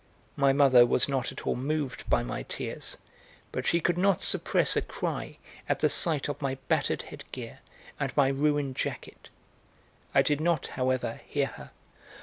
My mother was not at all moved by my tears, but she could not suppress a cry at the sight of my battered headgear and my ruined jacket. I did not, however, hear her.